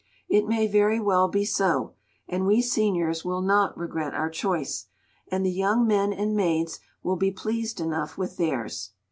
It may very well be so, and we seniors will not regret our choice, and the young men and maids will be pleased enough with theirs.